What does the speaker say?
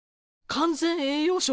完全栄養食？